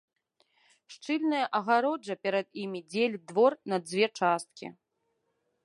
Шчыльная агароджа перад імі дзеліць двор на дзве часткі.